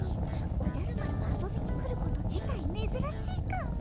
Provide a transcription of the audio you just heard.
おじゃる丸が遊びに来ること自体めずらしいかも。